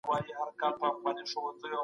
موخو ته رسېدل پرته له منظم پلانه شوني نه دي.